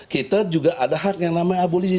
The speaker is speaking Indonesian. kita juga ada hak yang namanya abolisi